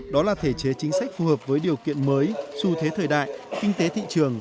đó là thể chế chính sách phù hợp với điều kiện mới xu thế thời đại kinh tế thị trường